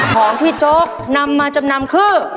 ของที่โจ๊กนำมาจำนำคือ